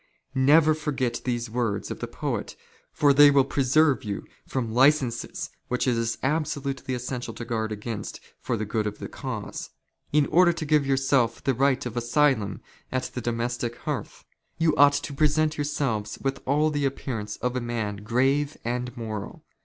Never forget these words of '' the poet for they will preserve you from licences which it is " absolutely essential to guard against for the good of the cause. "In order to reap profit at the home of each family, in order to " give yourself the right of asylum at the domestic hearth, you '' ought to present yourself with all the appearance of a man " grave and moral.